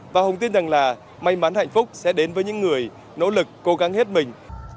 và hùng tin rằng là may mắn hạnh phúc sẽ đến với những người nỗ lực cố gắng hết mình